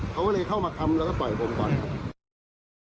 เขาก็เลยเข้ามาทำแล้วก็ต่อยผมก่อนครับ